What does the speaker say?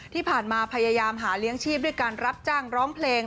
ที่ผ่านมาพยายามหาเลี้ยงชีพด้วยการรับจ้างร้องเพลง